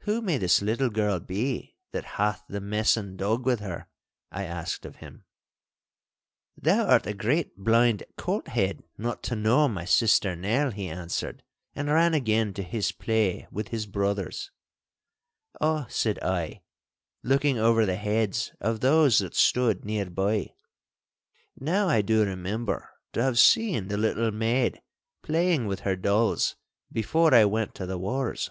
'Who may this little girl be that hath the messan dog with her?' I asked of him. 'Thou art a great blind colt head not to know my sister Nell!' he answered, and ran again to his play with his brothers. 'Ah,' said I, looking over the heads of those that stood near by, 'now I do remember to have seen the little maid playing with her dolls before I went to the wars!